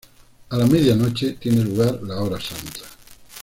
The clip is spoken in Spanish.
A la media noche tiene lugar la hora santa.